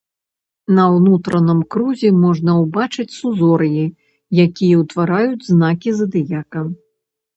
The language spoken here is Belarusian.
На ўнутраным крузе можна ўбачыць сузор'і, якія ўтвараюць знакі задыяка.